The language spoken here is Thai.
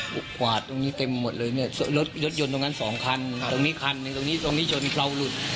กวาดตรงนี้เต็มหมดเลยเนี่ยรถยนต์ตรงนั้นสองคันตรงนี้คันหนึ่งตรงนี้ตรงนี้ชนเขาหลุด